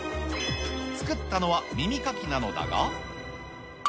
作ったのは耳かきなのだが。